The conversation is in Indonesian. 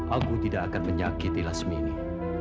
aku tidak akan menyakiti lasmini